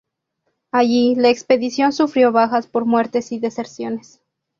Allí, la expedición sufrió bajas por muertes y deserciones.